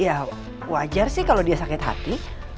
ya wajar sih kalau dia sakit hati